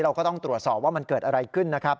เราก็ต้องตรวจสอบว่ามันเกิดอะไรขึ้นนะครับ